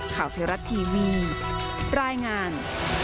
ข่าวเทวรัตน์ทีวีรายงาน